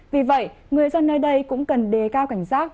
vì vậy người dân nơi đây cũng cần đề cao cảnh giác